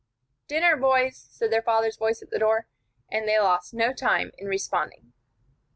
"Dinner, boys," said their father's voice at the door, and they lost no time in responding.